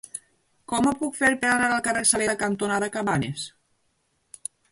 Com ho puc fer per anar al carrer Saleta cantonada Cabanes?